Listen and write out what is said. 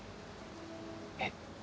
えっ？